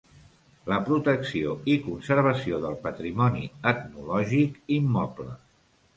La protecció i conservació del patrimoni etnològic immoble.